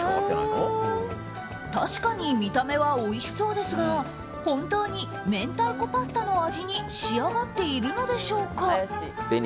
確かに見た目はおいしそうですが本当に明太子パスタの味に仕上がっているのでしょうか？